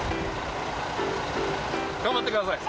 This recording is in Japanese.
頑張ってください！